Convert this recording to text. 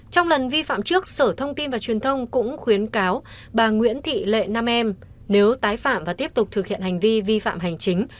trong lần vi phạm trước sở thông tin và truyền thông cũng khuyến cáo bà nguyễn thị lệ nam em nếu tái phạm và tiếp tục thực hiện hành vi vi phạm hành chính